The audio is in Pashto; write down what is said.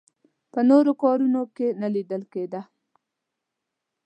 په نورو کاروانونو کې نه لیدل کېده.